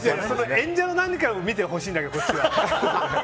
演者の何かを見てほしいんだけど、こっちは。